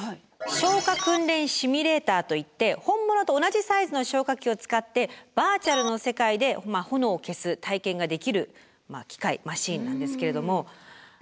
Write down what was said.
消火訓練シミュレーターといって本物と同じサイズの消火器を使ってバーチャルの世界で炎を消す体験ができる機械マシーンなんですけれども。